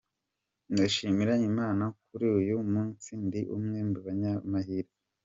Ndashimira Imana ko kuri uyu munsi ndi umwe mu banyamahirwe.